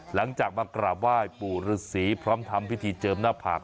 หลังจากมากราบไหว้ปู่ฤษีพร้อมทำพิธีเจิมหน้าผาก